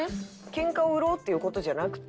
けんかを売ろうっていう事じゃなくて。